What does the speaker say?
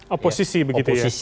oposisi begitu ya